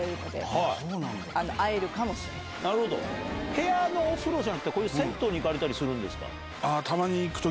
部屋のお風呂じゃなくて銭湯に行かれたりするんですか？